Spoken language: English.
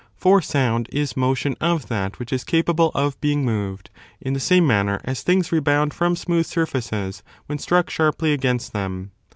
For sound is motion of that which is capable of being moved in the same Ianner as things rebound from smooth surfaces when struck sharply against them.